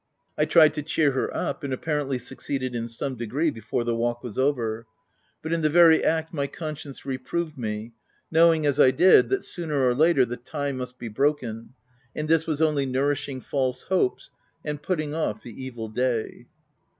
I tried to cheer her up, and apparently succeded in some degree, before the walk was over ; but in the very act my conscience reproved me, knowing, as I did, that, sooner or later, the tie must be broken, and this was only nourishing false hopes, and putting off the evil day.